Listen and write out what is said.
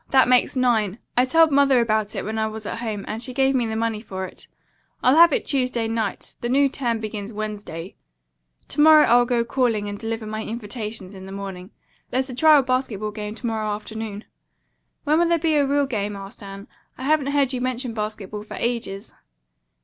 That makes nine. I told Mother about it when I was at home and she gave me the money for it. I'll have it Tuesday night. The new term begins Wednesday. To morrow I'll go calling and deliver my invitations in the morning. There's a trial basketball game to morrow afternoon." "When will there be a real game?" asked Anne. "I haven't heard you mention basketball for ages."